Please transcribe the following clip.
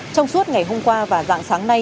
trong suốt ngày hôm qua và dạng sáng nay